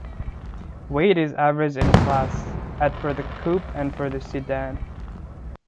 Weight is average in-class, at for the coupe and for the sedan.